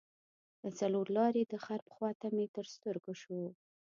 د څلور لارې د غرب خواته مې تر سترګو شو.